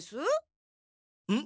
うん？